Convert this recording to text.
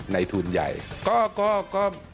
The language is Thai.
ในทุนใหญ่